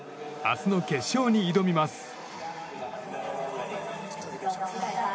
明日の決勝に挑みます。